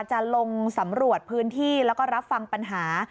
จะลงสำรวจพื้นที่แล้วก็รับฟังปัญหา